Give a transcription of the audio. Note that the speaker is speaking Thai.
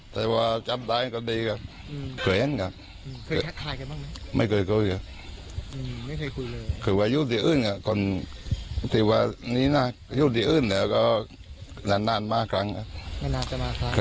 เพราะว่าเฮ็ดเกินมันยุนแรงเกินไปครับ